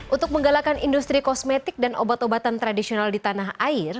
untuk menggalakan industri kosmetik dan obat obatan tradisional di tanah air